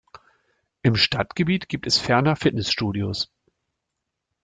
Im Stadtgebiet gibt es ferner Fitnessstudios.